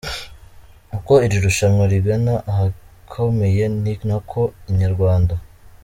Uko iri rushanwa rigana ahakomeye ni nako Inyarwanda.